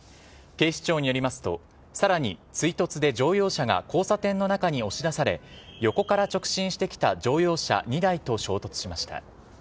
警視庁によりますとさらに追突で乗用車が交差点の中に押し出され横から直進してきた乗用車２台と衝突しました。